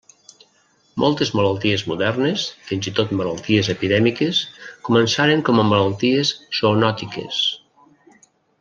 Moltes malalties modernes, fins i tot malalties epidèmiques, començaren com a malalties zoonòtiques.